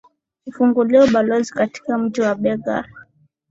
kufungua ubalozi katika mji wa begal